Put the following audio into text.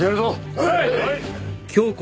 はい。